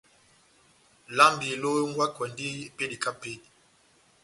Lambi lohengwakwɛndi epédi kahá epédi.